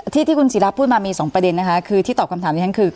ที่คุณศิลป์พูดมามี๒ประเด็นนะคะคือที่ตอบคำถามกันคือ